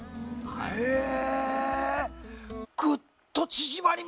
へえ！